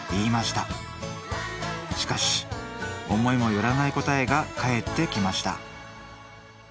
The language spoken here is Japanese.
しかし思いもよらない答えが返ってきました